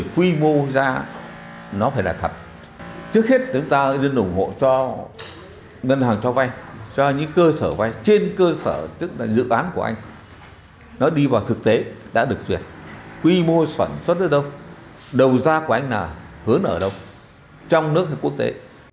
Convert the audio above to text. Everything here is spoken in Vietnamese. quy mô sản xuất ở đâu đầu ra của anh là hướng ở đâu trong nước hay quốc tế